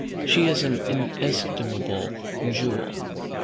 she is an inestimable jewel.